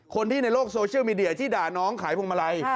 คนที่ในโลกโซเชียลมีเดียที่ด่าน้องขายพวงมาลัย